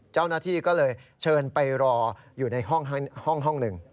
เจ้าหน้าที่ก็เลยเชิญไปรออยู่ในห้องหนึ่ง